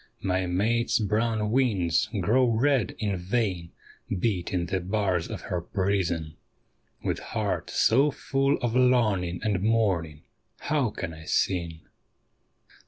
My mate's brown wings grow red in vain beating the bars of her prison ; With heart so full of longing and mourning, how can I sing?